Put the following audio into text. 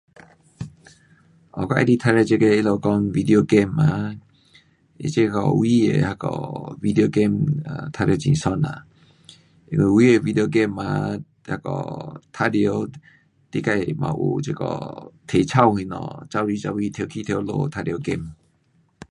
啊我喜欢玩耍这个他们讲 video game 啊，他这个 um 的那个 video game 玩耍很爽啦，它 um 的 video game 啊那个玩耍，你自也有这个体操什么，跑来跑去，跳起跳落，玩耍 game.